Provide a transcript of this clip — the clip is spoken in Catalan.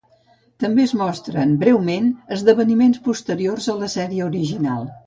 També es mostren breument esdeveniments posteriors a la sèrie original.